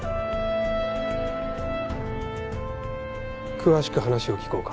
詳しく話を聞こうか。